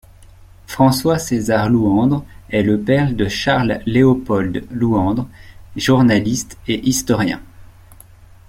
François César Louandre est le père de Charles Léopold Louandre, journaliste et historien.